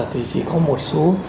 thì chỉ có một số